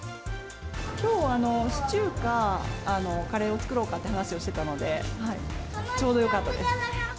きょうはシチューか、カレーを作ろうかって話をしてたので、ちょうどよかったです。